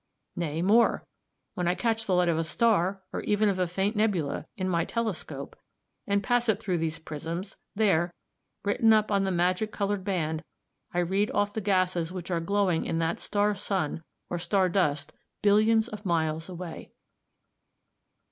Nay, more; when I catch the light of a star, or even of a faint nebula, in my telescope, and pass it through these prisms, there, written up on the magic coloured band, I read off the gases which are glowing in that star sun or star dust billions of miles away.